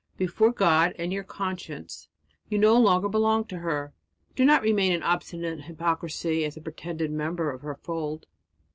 Before God and your conscience you no longer belong to her; don't remain in obstinate hypocrisy a pretended member of her fold.